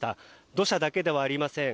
土砂だけではありません。